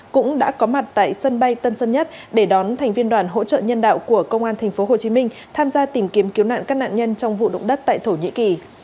cũng đã có mặt tại sân bay tân sơn nhất để đón thành viên đoàn hỗ trợ nhân đạo của công an tp hcm tham gia tìm kiếm cứu nạn các nạn nhân trong vụ động đất tại thổ nhĩ kỳ